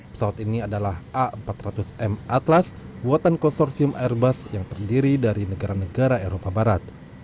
pesawat ini adalah a empat ratus m atlas buatan konsorsium airbus yang terdiri dari negara negara eropa barat